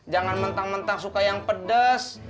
jangan mentang mentang suka yang pedes